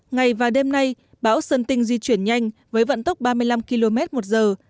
ngày và đêm nay bão sơn tinh di chuyển nhanh với vận tốc ba mươi năm km một giờ